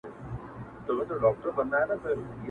هر څوک خپله کيسه وايي تل,